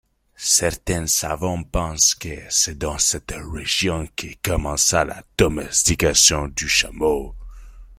Certains savants pensent que c’est dans cette région que commença la domestication du chameau.